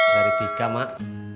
dari tika mak